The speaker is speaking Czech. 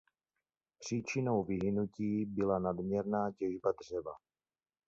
Příčinou vyhynutí byla nadměrná těžba dřeva.